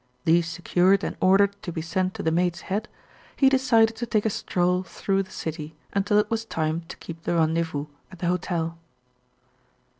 These secured and ordered to be sent to the Maid's Head, he decided to take a stroll through the city until it was time to keep the rendezvous at the hotel.